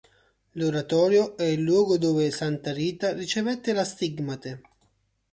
L'oratorio è il luogo dove santa Rita ricevette la stigmate.